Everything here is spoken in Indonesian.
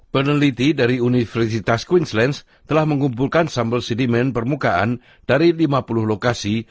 peneliti dari universitas queenslands telah mengumpulkan sampel sedimen permukaan dari lima puluh lokasi